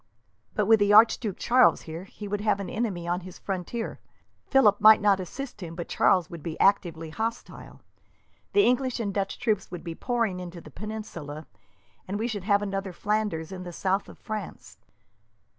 "But with the Archduke Charles here, he would have an enemy on his frontier. Philip might not assist him, but Charles would be actively hostile. The English and Dutch troops would be pouring into the peninsula, and we should have another Flanders in the south of France."